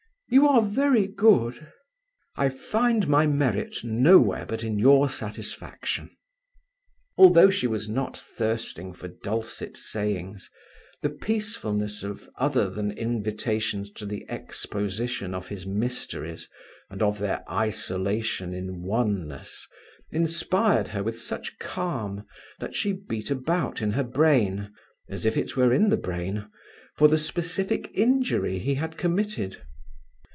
"You are very good." "I find my merit nowhere but in your satisfaction." Although she was not thirsting for dulcet sayings, the peacefulness of other than invitations to the exposition of his mysteries and of their isolation in oneness, inspired her with such calm that she beat about in her brain, as if it were in the brain, for the specific injury he had committed.